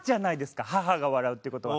母が笑うっていう事は。